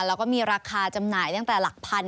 แล้วก็มีราคาจำหน่ายตั้งแต่หลักพัน